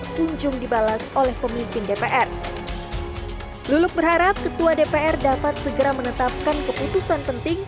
kunjung dibalas oleh pemimpin dpr luluk berharap ketua dpr dapat segera menetapkan keputusan penting